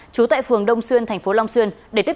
trú tại phường đông xuyên tp long xuyên